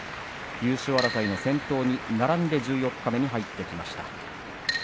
優勝争いの先頭に並んで十四日目に入ってきました。